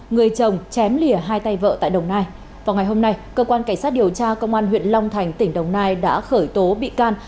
người chồng chém lìa hai tay vợ tại đồng nai vào ngày hôm nay cơ quan cảnh sát điều tra công an huyện long thành tỉnh đồng nai đã khởi tố bị can